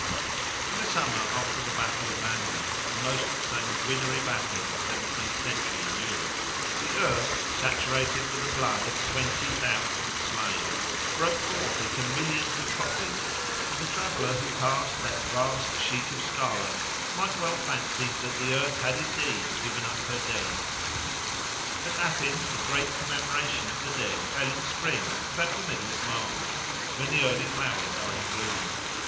In the summer after the battle of Landen, the most sanguinary battle of the seventeenth century in Europe, the earth, saturated with the blood of twenty thousand slain, broke forth into millions of poppies, and the traveller who passed that vast sheet of scarlet might well fancy that the earth had indeed given up her dead. At Athens the great Commemoration of the Dead fell in spring about the middle of March, when the early flowers are in bloom.